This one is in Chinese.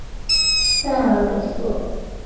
塞尔朗索。